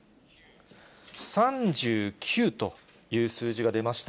３９という数字が出ました。